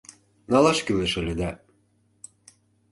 — Налаш кӱлеш ыле да...